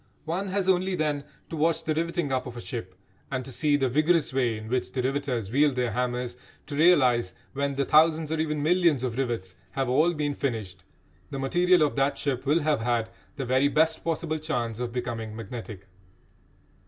One has only, then, to watch the riveting up of a ship, and to see the vigorous way in which the riveters wield their hammers, to realise that when the thousands or even millions of rivets have all been finished the material of that ship will have had the very best possible chance of becoming magnetic.